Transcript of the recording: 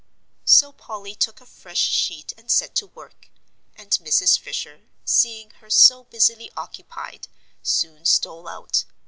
So Polly took a fresh sheet and set to work; and Mrs. Fisher, seeing her so busily occupied, soon stole out.